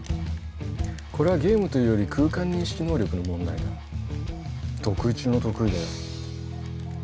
これはゲームというより空間認識能力の問題だ得意中の得意だよ